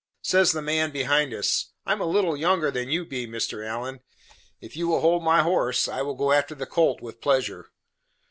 Says the man behind us, "I am a little younger than you be, Mr. Allen; if you will hold my horse I will go after the colt with pleasure."